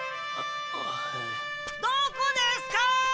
どこですか！